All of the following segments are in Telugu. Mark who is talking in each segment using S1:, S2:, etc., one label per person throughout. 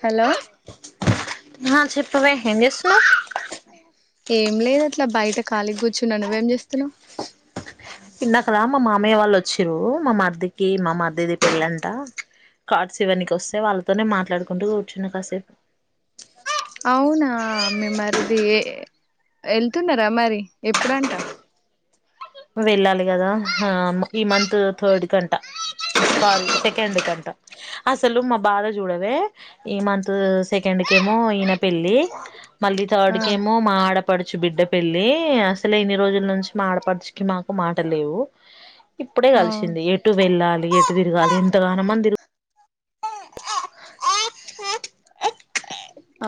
S1: హలో
S2: హా చెప్పవే ఏం చేస్తున్నావ్
S1: ఏం లేదు అట్లా బయట కాలి కూర్చున్న నువేం చేస్తున్నావు
S2: ఇందాక మా మామయ్య వాళ్ళు వచ్చిరు. మా మరిదికి మా మరిదిది పెళ్ళంట. కార్డ్స్ ఇవన్నీకి వస్తే వాళ్ళతోనే మాట్లాడుకుంటూ కూర్చున్నా కాసేపు
S1: అవునా మీ మరిది ఎ వెళ్తున్నారా మరి ఎప్పుడంట
S2: వెళ్ళాలి కదా హా ఈ మంత్ థర్డ్ కంట సారీ సెకెండ్ కంట అసలు మా బాధ చూడవే ఈ మంత్ సెకెం డ్ కేమో ఈన పెళ్లి మళ్ళీ థర్డ్
S1: ఆ
S2: కెమో మా ఆడపడుచు బిడ్డ పెళ్లి అసలు ఇన్ని రోజుల నుంచి మా ఆడపడుచు మాకు మాట లేవు ఇప్పుడే
S1: అవును
S2: కలిసింది. ఎటు వెళ్ళాలి. ఎటు తిరగాలి. ఎంతగాన మంది తి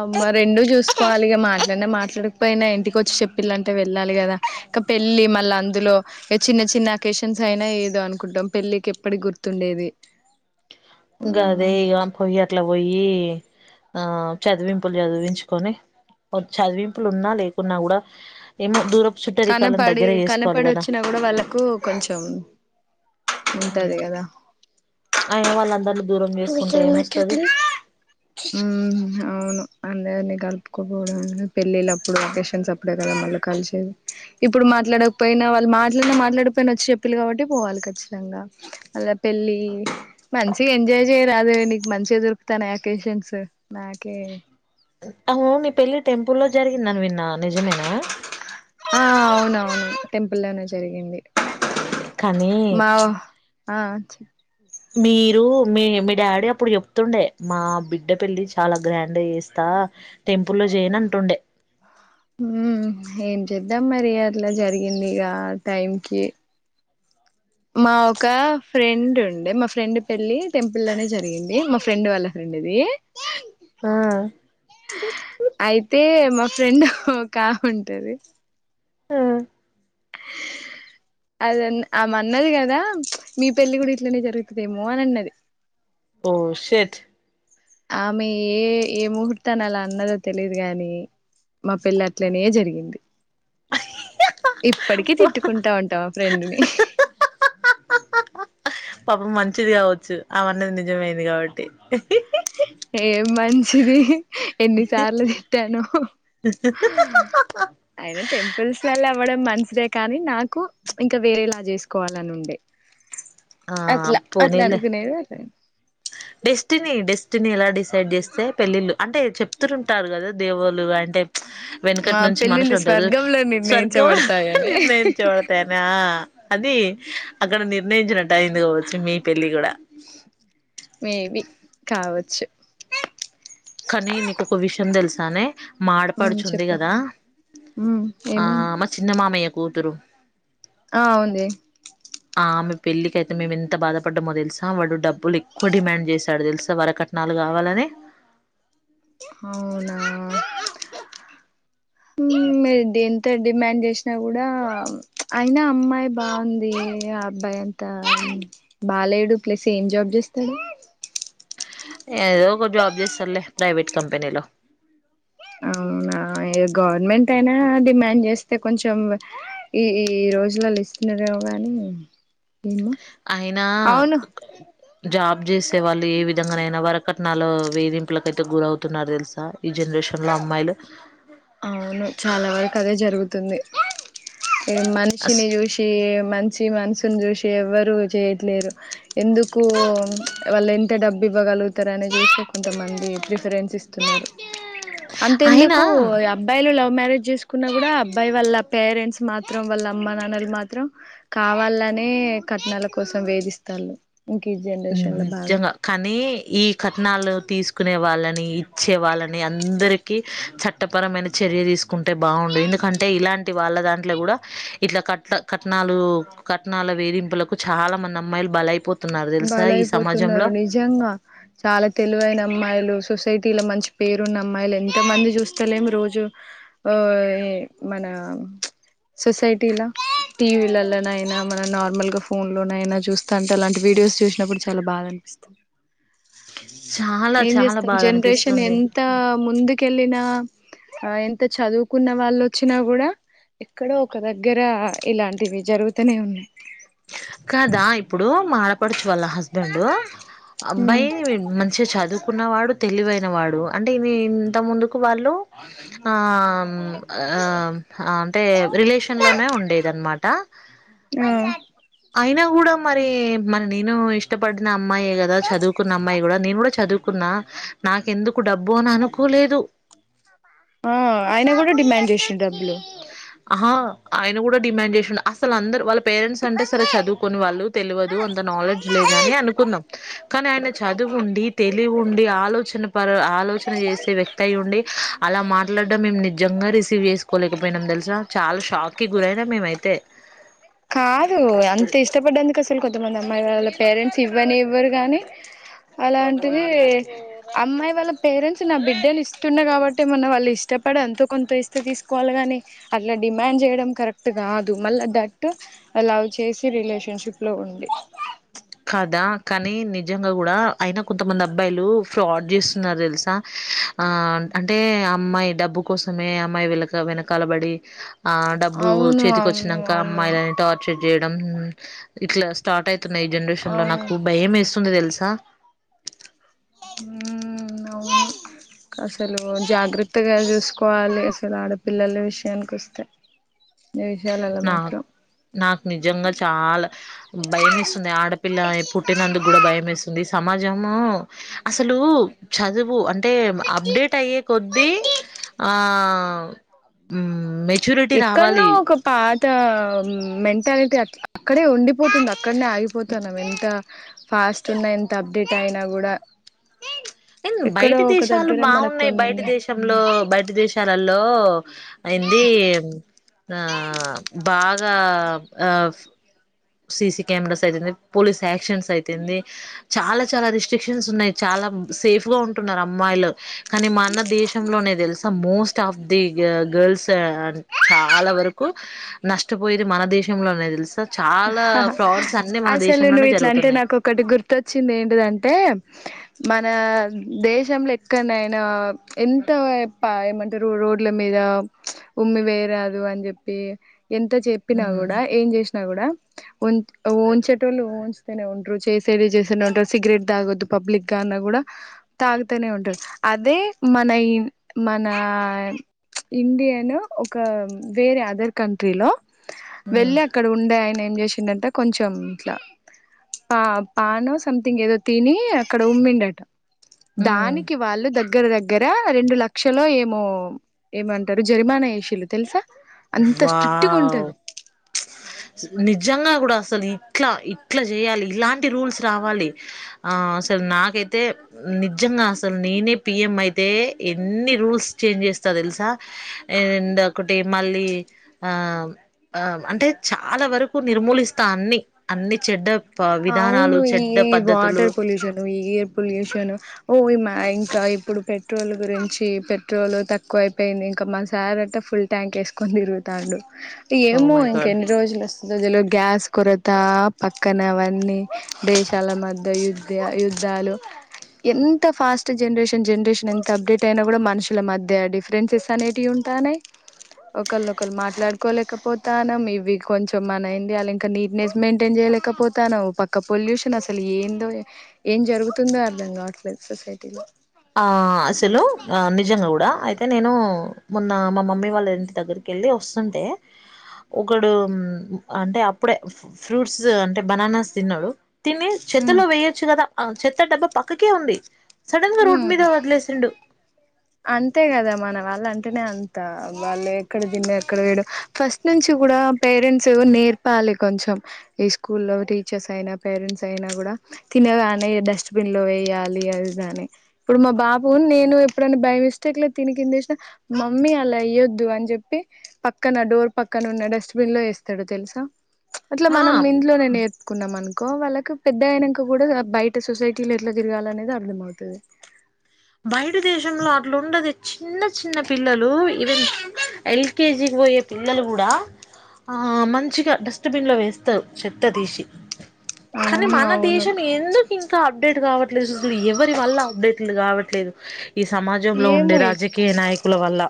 S1: అమ్మ రెండూ చూసుకోవాలి. ఈగ మాట్లాడిన మాట్లాడకపోయినా ఇంటికి వచ్చి చెప్పిల్లంట వెళ్ళాలి కదా. ఇంక పెళ్ళి మళ్ళ అందులో ఇక చిన్న చిన్న అకేషన్స్ అయినా ఏదో అనుకుంటాం. పెళ్ళికి ఎప్పటి గుర్తుండే ఎవీ
S2: గాదే ఇగ పోయత్ అట్లా పోయి ఆ చదివింపులు చదివించుకొని ఒ చదివింపులు ఉన్నా లేకున్నా కూడా ఏమో దూరపు చుట్టరి కాలన్
S1: కనపడి
S2: దగ్గర చేసుకోవాలి
S1: కనపడి
S2: కదా
S1: వచ్చినా కూడా వాళ్ళకు కొంచెం
S2: ఉ
S1: ఉంటది కదా
S2: అయిన వాళ్ళందర్ని దూరం చేసుకుంటే ఏం వస్తది
S1: ఊ అవును అందరినీ కలుపుకపోవడం పెళ్ళిళ్ళ అప్పుడు వకేషన్స్ అప్పుడే కదా మళ్ళీ కలిసేది ఇప్పుడు మ మాట్లాడకపోయినా వాళ్ళు మాట్లాడిన మాట్లాడకపోయినా వచ్చి చెప్పిలు కాబట్టి పోవాలి ఖచ్చితంగా అలా పెళ్ళి మంచిగా ఎంజాయ్ చేయరాదే నీకు మంచిగా దొరుకుతన్నాయి ఒకేషన్స్ నాకే
S2: అవును నీ పెళ్లి టెంపుల్లో జరిగింది అని విన్న నిజమేనా
S1: ఆ అవునవును టెంపుల్ల్లోనే జరిగింది
S2: కానీ
S1: మా ఆ చె
S2: మీరు మీ మీ డాడీ అప్పుడు చెప్తుండే మా బిడ్డ పెళ్లి చాలా గ్రాండ్ చేస్తా అ టెంపుల్ లో చేయన్ అంటుండే
S1: హ ఉ ఏం చేద్దాం మరి అట్లా జరిగింది ఇగ ఆ టైం కి మా ఒక ఫ్రెండ్ ఉండే మా ఫ్రెండ్ పెళ్ళి టెంపుల్ లోనే జరిగింది మా ఫ్రెండ్ వాళ్ళ ఫ్రెం అండ్ ఇది
S2: ఆ
S1: అయితే మా ఫ్రెండ్ ఒక ఆమె ఉంటది
S2: ఆ
S1: అదన్న ఆమ అన్నది కదా మీ పెళ్లి కూడా ఇట్లనే జరుగుతుదేమో అని అన్నది
S2: ఓ షట్
S1: ఆమె ఏ ఏ ముహూర్తాన అలా అన్నదో తెలిదు గాని మా పెళ్లి అట్లనే జరిగింది ఇప్పటికి తిట్టుకుంటా ఉంటా మా ఫ్రెండ్ని
S2: పాపం మంచిది కావచ్చు ఆమె అన్నది నిజమైంది కాబట్టి
S1: ఏం మంచిది ఎన్నిసార్లు తిట్టానొ అయిన టెంపుల్స్ లల్లా అవ్వడం మంచిదే కానీ నాకు ప్చ్ ఇంకా వేరేలా చేసుకోవాలని ఉండే
S2: ఆ
S1: అట్లా అట్లా
S2: పోనీలే
S1: అనుకునేది అట్లా
S2: డెస్టినీ డెస్ స్టినీ ఎలా డిసైడ్ చేస్తే పెళ్ళిళ్ళు అంటే చెప్తు ఉంటారు కదా దేవులు అంటే
S1: ఆ
S2: వెనుకట్ నుంచి
S1: పెళ్ళిళ్ళు
S2: మనుషులంటరు
S1: స్వర్గంలో
S2: స్వర్గం ల
S1: నిర్ణయించబడతాయని
S2: నిర్ణయించబడతాయనా అది అక్కడ నిర్ణయించినట్టు అయింది కావచ్చు మీ పెళ్ళి కూడా
S1: మే బి కావచ్చు
S2: కానీ నీకొక విషయం తెలుసానే మా
S1: మ్మ్
S2: ఆడపడుచుంది
S1: చెప్పు
S2: కదా
S1: మ్మ్
S2: ఆ
S1: ఏమైంది
S2: మా చిన్న మామయ్య కూతురు
S1: ఆ ఉంది
S2: ఆ ఆమె పెళ్లికి అయితే మేము ఎంత బాధపడ్డమో తెలుసా వాళ్ళు డబ్బులు ఎక్కువ డిమాండ్ చేసాడు తెలుసా వరక నాలుగు కావాలని
S1: అవునా ఉ మీర్ దంత డిమాండ్ చేసినా కూడా అయినా అమ్మాయి బాగుంది. అబ్బాయి అంతా బాలేడు. ప్లస్ ఏం జాబ్ చేస్తాడు.
S2: ఏదో ఒక జాబ్ చేస్తడ్లే ప్రైవేట్ కంపెనీలో
S1: అవునా ఎ గవర్నమెంట్ అయినా డిమాండ్ చేస్తే కొంచెం ఈ ఈ రోజుల లిస్తదేవోగాని
S2: అయినా జాబ్ చేసే వాళ్ళు ఏ విధ ధంగా నైనా వర కట్నాలు వేధింపులకైతే గురవుతున్నారు తెలుసా ఈ జనరేషన్లో అమ్మాయిలు
S1: అవును చాలా వరకు అదే జరుగుతుంది. ఎ
S2: అస్
S1: మనిషిని చూసి మంచి మనసును చూసి ఎవరు చేయట్లేరు. ఎందుకు వాళ్ళు ఎంత డబ్బి ఇవ్వగలుగుతారు. అనే చూస్తే కొంతమంది ప్రిఫరెన్స్ ఇస్తున్నారు.
S2: అయినా
S1: అంతేెందుకు యా లవ్ మ్యారేజ్ చేసుకున్న కూడా అబ్బాయి వాళ్ళ పేరెంట్స్ మాత్రం వాళ్ళ అమ్మ నాన్నలు మాత్రం కావా అల్లానే కట్నాల కోసం వేధిస్తాళ్ళు ఇంక ఈ జనరేషన్ లో బాగా
S2: నిజంగా కానీ ఈ కట్నాలు తీసుకునే వాళ్ళని ఇచ్చే వాళ్ళని అందరికి చట్టపరమైన చర్య తీసు కుంటే బాగుండు ఎందుకంటే ఇలాంటి వాళ్ళ దాన్ ఇట్లా కూడా ఇట్లా కట్ కట్నాలు కట్నాల వేధింపులకు చాలా మంది అమ్మాయిలు బలయిపోతున్నారు.
S1: బలైయిపోతున్నారు. నిజంగా చాలా తెలివైన అమ్మాయిలు సొసైటీలో మంచి పేరున్న అమ్మాయిలు ఎంత మంది చూస్తలేమి రోజు ఆ మన ఆ సొసైటీలా టీవీలల్లన అయినా మన నార్మల్ గా ఫోన్ లోన అయినా చూస్తా అంటే అలాంటి వీడియోస్ చూసినప్పుడు చాలా బాధ అనిపిస్తది.
S2: చాలా
S1: ఏం
S2: చాలా
S1: చేస్తాం
S2: బాధ
S1: జనరేషన్
S2: అనిపిస్తుంది
S1: ఎంత ముందుకెళ్ళినా ఆ ఎంత చదువుకున్న వాళ్ళు వచ్చినా కూడా ఎక్కడో ఒక దగ్గర ఇలాంటివి జరుగుతూనే ఉన్నాయి.
S2: కాదా ఇప్పుడు మా ఆడపడుచు వాళ్ళ హస్బెండ్ అబ్బాయి మంచిగా చదువుకున్న వాడు తెలివైన వాడు అంటే ఇమె ఇంత ముందుకు వాళ్ళు అం అం అంటే రిలేషన్లోనే ఉండేది అనమాట.
S1: అ
S2: అయినా కూడా మరి మరి నేను ఇష్టపడిన అమ్మాయే కదా చదువుకున్న అమ్మాయి కూడా నేను కూడా చదువుకున్నా నాకెందుకు డబ్బు అని అనుకోలేదు.
S1: ఉ ఆయన కూడా డిమాండ్ జేసిండ్
S2: ఆహా ఆయన కూడా డిమాండ్ చేసిండు అసలు అందరు వాళ్ళ పేరెంట్స్ అంటే సరే చదువుకొని వాళ్ళు తెల్వదు. అంత నాలెడ్జ్ లేదు అని అనుకున్నాం. కానీ ఆయన చదువు ఉండి తెలివి ఉండి ఆలోచన ప ఆలోచన చేసే వ్యక్తిఅయి ఉండి అలా మాట్లాడడం మేము నిజంగా రిసీవ్ చేసుకోలేకపోయినాం తెలుస. చాలా షాక్కి గురయినం మేం ఐతే
S1: కాదు అంత ఇష్టపడ్డందుకు అసలు కొంతమంది అమ్మాయి వాళ్ళ పేరెంట్స్ ఇవ్వనే ఇవ్వరు కానీ అలాంటిది అమ్మాయి వాళ్ళ పేరెంట్స్ నా బిడ్డనీ ఇస్తున్నా కాబట్టి ఏమన్నా వాళ్ళు ఇష్ పడి ఎంతో కొంత ఇస్తే తీసుకోవాలి కాని అట్లా డిమాండ్ చేయడం కరెక్ట్ కాదు మళ్ళ థా ట్ లవ్ చేసి రిలేషన్షిప్ లో ఉండి
S2: కదా కానీ నిజంగా కూడా అయినా కొంతమంది అబ్బాయిలు ఫ్రాడ్ చేస్తున్నారు తెలుసా. ఆ అంటే అమ్మాయి డబ్బు కోసమే అమ్మాయి వెల్లక వెనకాలబడి ఆ డబ్బు
S1: అవును
S2: చేతికి
S1: అవును
S2: వచ్చినంక
S1: అవును
S2: అమ్మాయిలని టార్చర్ చేయడం. ఇట్ల స్టార్ట్ అయితున్నాయి. ఈ జనరేషన్ లో
S1: అవును
S2: నాకు భయం వేస్తుంది తెలుసా
S1: ఉ అవును అసలు జాగ్రత్తగా చూసుకోవాలి అసలు ఆడపిల్లల విషయానికి వస్తే ఈ విశయాలల్లో మాత్రం
S2: నాకు నాకు నిజంగా చాలా భయం ఏస్తుంది. ఆడపిల్ల పుట్టినందుకు కూడా భయవేస్తుంది. సమాజము అసలు చదువు అంటే అప్డేట్ అయ్యే కొద్ది ఆ మ్
S1: ఎక్కడ్నో ఒక పా త మెంటాలిటీ అట్ల అక్కడే ఉండిపోతుంది. అక్కడనే ఆగిపోతాను మ ఎంత ఫాస్ట్ ఉన్న ఎంత అప్డేట్ అయినా కూడా
S2: అయి
S1: ఎక్కడో
S2: బయటి
S1: ఒక
S2: దేశాలు
S1: దగ్గర మనకు
S2: బాగున్నాయి బయటి
S1: కొన్ని
S2: దేశంలో బయటి దేశాలలో అయింది ఆ బాగా ఆ సిసి కెమెరాస్ అయితేంది, పోలీస్ యాక్షన్స్ అయితేంది చాలా చాలా రిస్ట్రిక్షన్స్ ఉన్నాయి. చాలా లం సేఫగా ఉంటున్నారు అమ్మాయిలు కానీ మన దేశం లోనే తెలుసా మోస్ట్ ఆఫ్ ది గా గల్స్ ఆ చాలా వరకు నష్టపోయేది మన దేశంలో తెలుసా చాలా
S1: అహ్హ్
S2: ఫ్రాడ్స్ అన్ని మన
S1: అసలు
S2: దేశంలోనే
S1: నువ్వు ఇట్లంటే
S2: జరుగుతున్నాయి
S1: నాకు ఒకటి గుర్తొచ్చింది ఏంటదంటే మన దేశంలో ఎక్కనయినా ఎంత ప ఏమంటారు రోడ్ల మీద నామ్ ప్చ్ ఉమ్మి వేయరాదు అని చెప్పి ఎంత చెప్పినా
S2: ఉమ్
S1: కూడా, ఏం చేసినా కూడా ఉన్ ఉంచేటోళ్ళు ఉంచునే ఉండ్రరు. చేసేడి చేస్తనే ఉంటారు సిగరెట్ తాగొద్దు పబ్లిక్ గా కూడా తాగుతూనే ఉంటరు అదే మన ఈ మన ప్చ్ ఇండియాను ఒక వేరే అదర్ కంట్రీలో
S2: ఉమ్
S1: వెళ్ళి అక్కడ ఉండే ఆయన ఏం చేసిండంటే కొంచెం ఇట్లా పా పానో సంథింగ్ ఏదో తిని అక్కడ ఉమ్మిండట.
S2: ఉమ్
S1: దానికి వాళ్ళు దగ్గ దగ్గర దగ్గర రెండు లక్షలు ఏమో ఏమంటారు జరిమానా వేసిలు తెలుసా? అంత స్ట్రిక్ట్ గా ఉంటది
S2: వావ్ ప్చ్ సు నిజంగా నిజంగా కూడా అసలు ఇట్లా ఇట్లా చేయాలి ఇలాంటి రూల్స్ రావాలి. ఆ అసలు నాక అయితే నిజంగా అసలు నేనే పిఎం అయితే ఎన్ని రూల్స్ చేంజ్ చేస్తా తెలుసా? అండ్ ఒకటి మళ్ళీ ఆ అ అంటే చాలా వరకు నిర్మూలిస్తా అన్ని అన్ని చెడ్డప్
S1: అవును ఈ వాటర్ పొల్యూషన్, ఈ ఏయిర్ పొల్యూషన్ ఓ మ ఇప్పుడు పెట్రోల్ గురించి పెట్రోల్ తక్కువ అయిపోయింది. ఇంకా మా సార్ అట్ట ఫుల్ ట్యాంక్ వేసుకుని తిరుగుతాండు
S2: ఓ
S1: ఏమో
S2: మై
S1: ఇంక
S2: గాడ్
S1: ఎన్ని రోజులు వస్తదో తెల్వదు. గ్యాస్ కొరత పక్కన అవన్నీ దేశాల మధ్య యుద్ధ యుద్ధాలు ఎంత ఫాస్ట్ జనరేషన్ జనరేషన్ ఎంత అప్డేట్ అయినా కూడా మనుషుల మధ్య డిఫరెన్సెస్ అనేవి ఉంటారు. నానే ఒకళ్ళ ఒకళ్లు మాట్లాడుకోలేకపోతానమ్ ఇవి కొంచెం మన ఇండియా ల్ల ఇంకా నీట్నెస్ మెయింటైన్ చే చేయలేక పోతనవ్ పక్క పొల్యూషన్ అసలు ఏందో ఏం జరుగుతుందో అర్థంగాట్లే సొసైటీలో?
S2: ఆ అసలు ఆ నిజంగా గుడా అయితే నేను మొన్న మా మమ్మీ వాళ్ళ ఇంటి దగ్గరికి వెళ్ళి వస్తుంటే ఒకడు అంటే అప్పుడే ఫ్రూట్స్ అంటే బనానాస్ తిన్నాడు. తిని
S1: ఉమ్
S2: చెత్తలో వేయొచ్చు కదా ఆ చెత్త డబ్బా పక్కకే ఉంది సడన్ గా రోడ్
S1: ఉమ్
S2: మీద వదిలేసిండు.
S1: అంతే కదా మన వాళ్ళ అంటేనే అంత వాళ్ళు ఎక్కడ తిన్న ఎక్కడ వేయ ఫస్ట్ నుంచి గుడా పేరెంట్స్ నేర్పాలి కొంచెం ఈ స్కూల్ లో టీచర్స్ అయినా, పేరెంట్స్ అయినా కూడా తినగానే డస్ట్బిన్ లో వేయాలి అది కాని ఇప్పుడు మా బాబు నేను అప్పుడుని బై మిస్టేక్ లో తిని కిందేసిన మమ్మీ అలా ఏయ్యొద్దు అని చెప్పి పక్కన డోర్ పక్కన నున్న డస్ట్బిన్ లో ఏస్తాడు తెలుసా ప్చ్ అట్ల
S2: ఆ
S1: మనం ఇంట్లో నే నేర్పి కున్నామ అనుకో వాళ్ళకి పెద్ద అయినంకా కూడా బయట సొసైటీలో ఎట్లా తిరగాలనేది అర్థం అవుతది.
S2: బయటక్ దేశంలో అట్లు ఉండది చిన్న చిన్న పిల్లలు ఈవెన్ ఎల్కేజీకి పోయే పిల్లలు కూడా ఆహ్ మంచిగా డస్ట్బిన్ లో వేస్తారు. చెత్త దీశి కాని
S1: అవును
S2: మన
S1: అవును
S2: దేశం ఎందు ఇంకా అప్డేట్ కావట్లేదు చూరు ఎవరి వల్ల అప్డేట్లు కావట్లేదు. ఈ సమాజంలో ఉండే
S1: ఏమో
S2: రాజకీయ నాయకుల వల్ల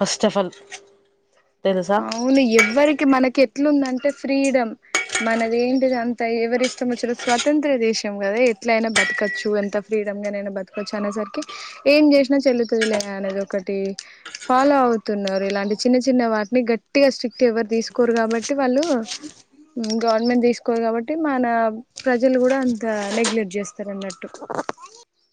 S2: ఫస్ట్ ఆఫ్ ఆల్ తెలుసా
S1: అవును ఎవ్వరికి మనకి ఎట్లుందంటే ఫ్రీడమ్ మనది ఏంటిది అంత ఎవరి ఇష్టం వచ్చారు స్వతంత్ర దేశం కదా ఎట్లయినా బతకొచ్చు ఎంత ఫ్రీడమ్ గానైనా బతకచ్చు అనేసరికి ఏం చేసినా చెల్తుందిలే అనేది ఒక ఒకటి ఫాలో అవుతున్నారు ఇలాంటి చిన్న చిన్న వ గట్టిగా స్ట్రిక్ట్ ఎవరు తీసుకోరు కాబట్టి వాళ్ళు గవర్నమెంట్ తీసుకోవాలి కాబట్టి మన ప్రజలు కూడా అంత నెగ్లెక్ట్ చేస్తారు అన్నట్టు